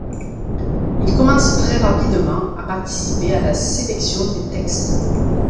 Il commence très rapidement à participer à la sélection des textes.